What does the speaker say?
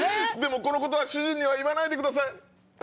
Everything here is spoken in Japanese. もこのことは主人には言わないでください。